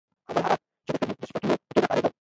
او بل هغه چې د ښځې د صفتونو په توګه کارېدلي